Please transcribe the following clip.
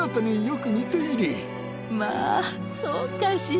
まあ、そうかしら。